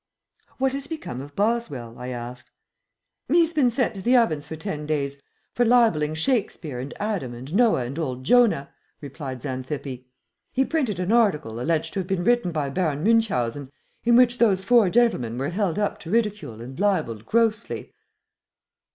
"What has become of Boswell?" I asked. "He's been sent to the ovens for ten days for libelling Shakespeare and Adam and Noah and old Jonah," replied Xanthippe. "He printed an article alleged to have been written by Baron Munchausen, in which those four gentlemen were held up to ridicule and libelled grossly."